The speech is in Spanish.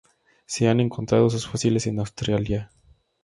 Se han encontrado sus fósiles en Australia.